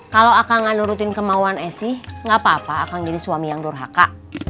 kalau akang gak nurutin kemauan esi gak apa apa akang jadi suami yang durhaka